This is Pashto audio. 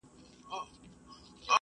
ډاکټر به بیا هم سپارښتنه کوله.